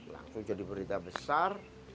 langsung jadi berita besar